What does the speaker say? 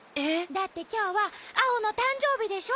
だってきょうはアオのたんじょうびでしょ？